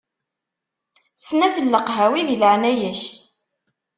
Snat n leqhawi di leɛnaya-k.